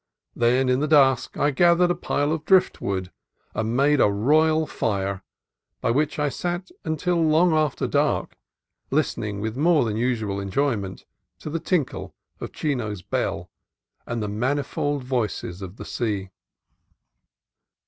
Then in the dusk I gathered a pile of driftwood and made a royal fire, by which I sat until long after dark, listening with more than usual enjoyment to the tinkle of Chino's bell and the manifold voices of the sea.